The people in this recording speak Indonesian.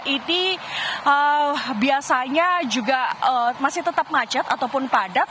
ini biasanya juga masih tetap macet ataupun padat